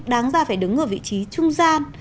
đáng ra phải đứng ở vị trí trung gian